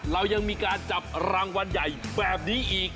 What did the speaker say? เรายังมีการจับรางวัลใหญ่แบบนี้อีก